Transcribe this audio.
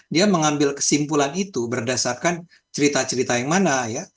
dia mengambil kesimpulan itu berdasarkan cerita cerita yang mana ya